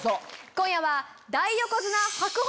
今夜は。